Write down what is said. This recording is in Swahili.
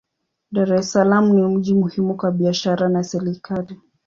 Dar es Salaam ni mji muhimu kwa biashara na serikali.